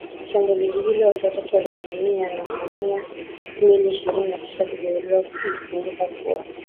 shambulio hilo watu watatu waliangamia na mia mbili ishirini na tisa kujeruhiwa Ikumbukwe kuwa